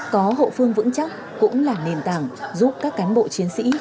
có hậu phương vững chắc cũng là nền tảng giúp các cán bộ chiến sĩ